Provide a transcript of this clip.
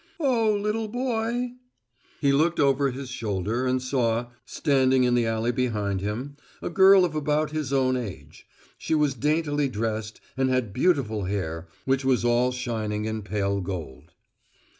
"Oh, little boy!" He looked over his shoulder and saw, standing in the alley behind him, a girl of about his own age. She was daintily dressed and had beautiful hair which was all shining in pale gold.